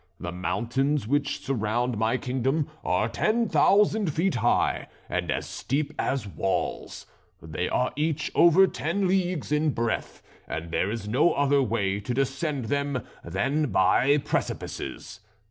The mountains which surround my kingdom are ten thousand feet high, and as steep as walls; they are each over ten leagues in breadth, and there is no other way to descend them than by precipices.